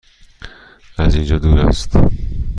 از اینجا دور است؟